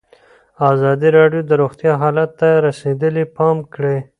ازادي راډیو د روغتیا حالت ته رسېدلي پام کړی.